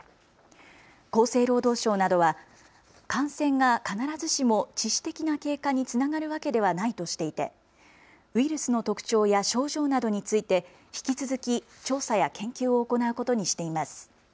厚生労働省などは感染が必ずしも致死的な経過につながるわけではないとしていてウイルスの特徴や症状などについて引き続き調査や研究を行うことにしています。